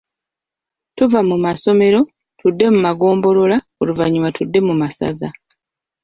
Tuva mu masomero, tudde mu magombolola oluvannyuma tudde mu masaza.